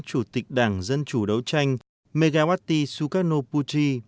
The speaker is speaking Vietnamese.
chủ tịch đảng dân chủ đấu tranh megawati sukarno putri